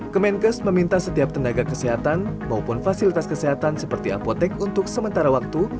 kemenkes meminta setiap tenaga kesehatan maupun fasilitas kesehatan seperti apotek untuk sementara waktu